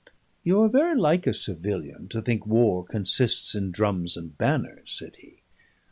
"You are very like a civilian to think war consists in drums and banners," said he.